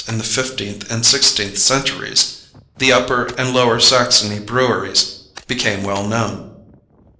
In the fifteenth and sixteenth centuries the Upper and Lower Saxony breweries became well known.